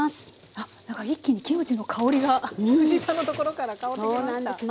あっなんか一気にキムチの香りが藤井さんのところから香ってきました。